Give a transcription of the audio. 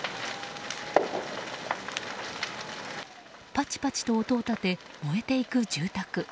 ぱちぱちと音を立て燃えていく住宅。